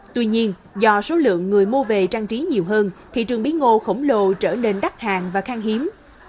tuy nhiên do số lượng người mua về trang trí nhiều hơn thị trường bí ngô khổng lồ trở nên đắt hàng và khang hiếm